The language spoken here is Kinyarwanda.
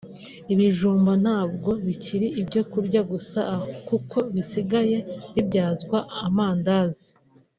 Ibijumba ntabwo bikiri ibyo kurya gusa kuko bisigaye bibyazwa amandazi